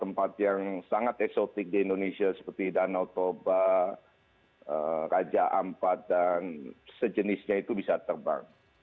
tempat yang sangat esotik di indonesia seperti danau toba raja ampat dan sejenisnya itu bisa terbang